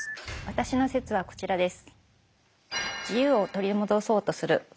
私の説はこちらです。